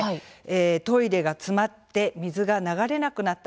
トイレが詰まって水が流れなくなった。